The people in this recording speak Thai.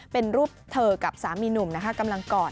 เป็นรูปเธอกับสามีหนุ่มนะคะกำลังกอด